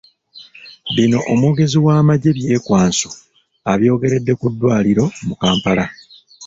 Bino omwogezi w’amagye Byekwaso abyogeredde ku ddwaliro mu Kampala .